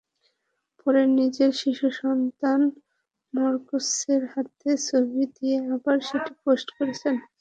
পরে নিজের শিশুসন্তান মার্কোসের হাতের ছবি দিয়ে আবার সেটি পোস্ট করেছেন।